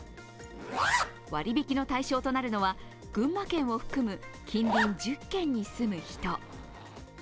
割引の対象となるのは、群馬県を含む近隣１０県に住む人。